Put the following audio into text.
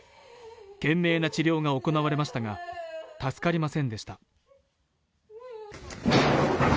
懸命な治療が行われましたが、助かりませんでした。